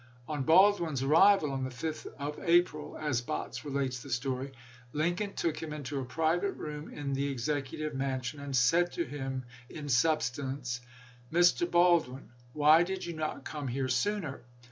On Baldwin's i86i. arrival (on the 5th of April, as Botts relates the story) Lincoln took him into a private room in the Executive Mansion, and said to him in substance : Mr. Baldwin, why did you not come here sooner?